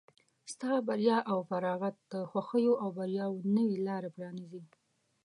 ستا بریا او فارغت د خوښیو او بریاوو نوې لاره پرانیزي.